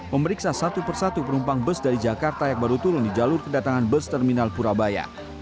memeriksa satu persatu penumpang bus dari jakarta yang baru turun di jalur kedatangan bus terminal purabaya